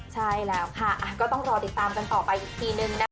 ใช่แล้วค่ะก็ต้องรอติดตามกันต่อไปอีกทีนึงนะคะ